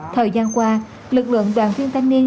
thời gian qua lực lượng đoàn viên thanh niên